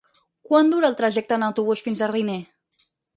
Quant dura el trajecte en autobús fins a Riner?